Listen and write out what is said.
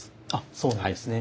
そうなんですね。